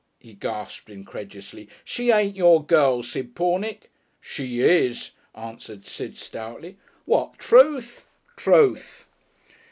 he gasped incredulously. "She ain't your girl, Sid Pornick." "She is!" answered Sid, stoutly. "What truth?" "_Truth.